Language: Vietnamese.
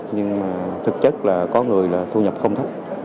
nhưng thực chất là có người là thu nhập không thấp